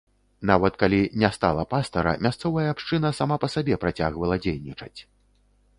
Нават калі не стала пастара, мясцовая абшчына сама па сабе працягвала дзейнічаць.